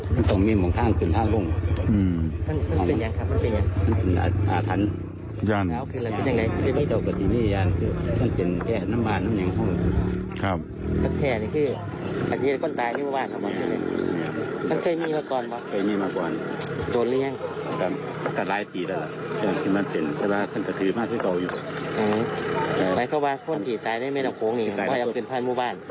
ไปเข้าบ้านพ่วนผิดตายได้ไม่ละโค้งอย่างนี้ปล่อยออกกึนภาคหมู่บ้าน